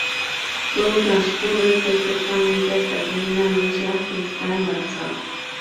Todo transcurre perfectamente hasta que Nina anuncia que está embarazada.